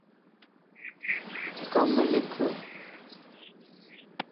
ڪم لک